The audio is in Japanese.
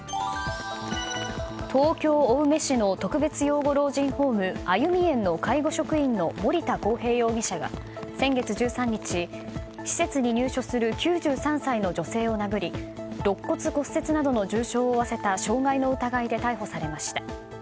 東京・青梅市の特別養護老人ホームあゆみえんの介護職員の森田航平容疑者が先月１３日、施設に入所する９３歳の女性を殴りろっ骨骨折などの重傷を負わせた傷害の疑いで逮捕されました。